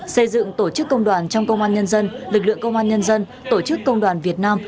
xây dựng tổ chức công đoàn trong công an nhân dân lực lượng công an nhân dân tổ chức công đoàn việt nam